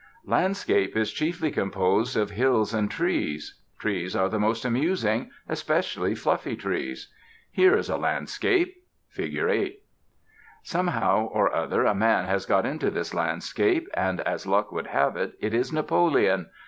LANDSCAPE is chiefly composed of hills and trees. Trees are the most amusing, especially fluffy trees. Here is a Landscape (Fig. 8). Somehow or other a man has got into this landscape; and, as luck would have it, it is Napoleon.